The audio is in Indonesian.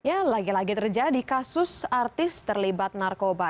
ya lagi lagi terjadi kasus artis terlibat narkoba